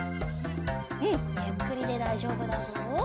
うんゆっくりでだいじょうぶだぞ。